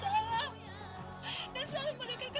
jangan kui loga ke trgent